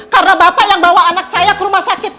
karena bapak yang bawa anak saya ke rumah sakit